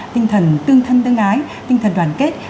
tinh thần tương thân tương ái tinh thần đoàn kết